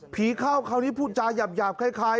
เข้าคราวนี้พูดจาหยาบคล้าย